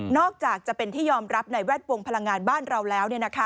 อกจากจะเป็นที่ยอมรับในแวดวงพลังงานบ้านเราแล้ว